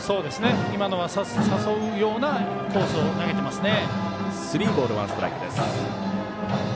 今のは、誘うようなコースを投げてますね。